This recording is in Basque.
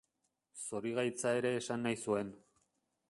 Zorigaitza ere esan nahi zuen.